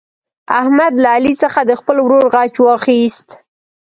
احمد له علي څخه د خپل ورور غچ واخیست.